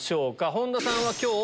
本田さんは今日。